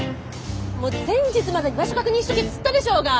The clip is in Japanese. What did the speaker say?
もう前日までに場所確認しとけっつったでしょうが！